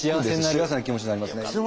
幸せな気持ちになりますね。